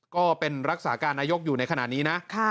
ก็เป็นรักษาการนายกอยู่ในขณะนี้นะ